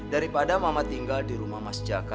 daripada mama tinggal di rumah mas jaka